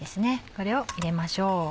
これを入れましょう。